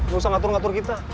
gak usah ngatur ngatur kita